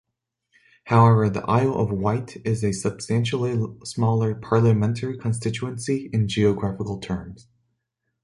However, the Isle of Wight is a substantially smaller parliamentary constituency in geographical terms.